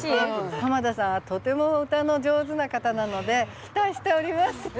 濱田さんはとても歌の上手な方なので期待しております。